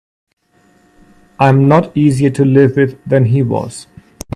I'm not easier to live with than he was.